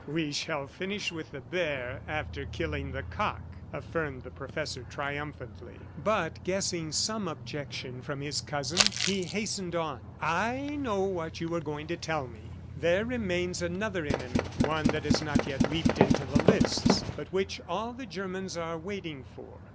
"We shall finish with the bear after killing the cock," affirmed the professor triumphantly. But guessing at some objection from his cousin, he hastened on "I know what you are going to tell me. There remains another enemy, one that has not yet leaped into the lists but which all the Germans are waiting for.